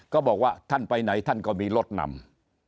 บอกว่าท่านไปไหนท่านก็มีรถนำ